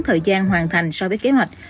thời gian hoàn thành so với kế hoạch